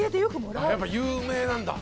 やっぱ有名なんだ。